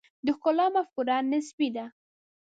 د ښکلا مفکوره نسبي ده.